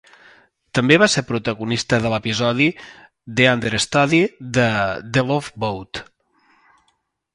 També va ser protagonista de l'episodi "The Understudy" de "The Love Boat".